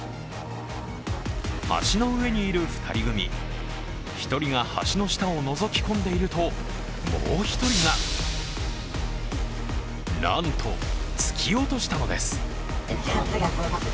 橋の上にいる２人組１人が橋の下をのぞき込んでいるともう１人がなんと突き落としたのです。